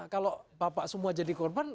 kalau bapak semua jadi korban